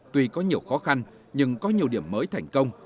tuy có nhiều khó khăn nhưng có nhiều điểm mới thành công